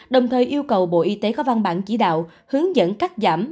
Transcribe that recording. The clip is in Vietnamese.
đồng thời yêu cầu bộ y tế có văn bản chỉ đạo hướng dẫn cắt giảm